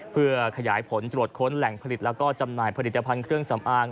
เพื่อขยายผลตรวจค้นแหล่งผลิตแล้วก็จำหน่ายผลิตภัณฑ์เครื่องสำอาง